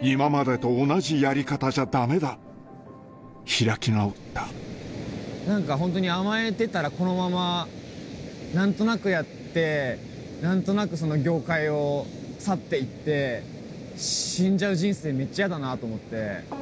今までと同じやり方じゃダメだ何かホントに甘えてたらこのまま何となくやって何となくその業界を去っていって死んじゃう人生めっちゃ嫌だなと思って。